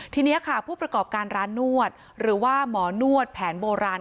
ทีนี้ค่ะผู้ประกอบการร้านนวดหรือว่าหมอนวดแผนโบราณ